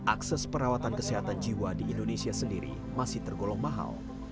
akses perawatan kesehatan jiwa di indonesia sendiri masih tergolong mahal